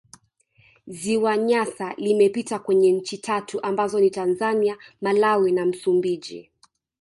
ziwa nyasa limepita kwenye nchi tatu ambazo ni tanzania malawi na msumbiji